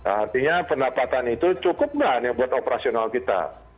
artinya pendapatan itu cukup gak buat operasional kita